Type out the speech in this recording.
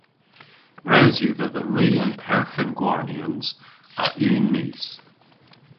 Res yw dhedha ri an perghen gwarnyans a unn mis.